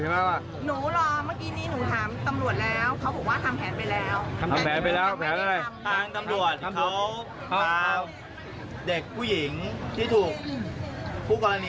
แต่บ้าน